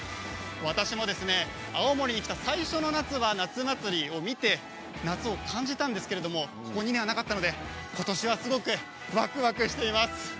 私も青森に来た最初の夏は夏祭りを見て夏を感じていたんですけれどもここ２年はなかったので、ことしはすごくわくわくしています。